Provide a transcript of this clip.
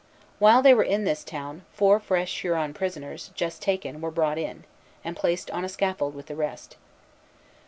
While they were in this town, four fresh Huron prisoners, just taken, were brought in, and placed on the scaffold with the rest.